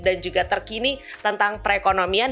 dan juga terkini tentang perekonomian